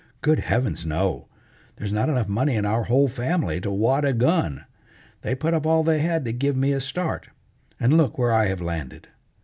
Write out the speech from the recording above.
Good heavens, no. There's not enough money in our whole family to wad a gun! They put up all they had to give me a start, and look where I have landed!